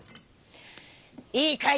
「いいかい？